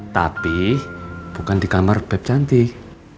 tapi bukan di kamar bep cantik